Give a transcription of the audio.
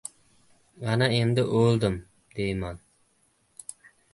Ana endi o‘ldim, deyman.